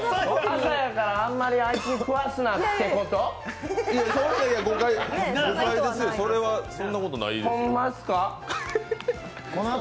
朝やからあんまりあいつに食わすなってこと？